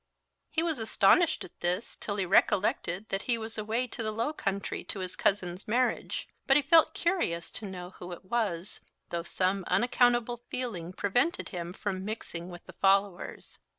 He was astonished at this, till he recollected that he was away to the low country to his cousin's marriage; but he felt curious to know who it was, though some unaccountable feeling prevented him from mixing with the followers.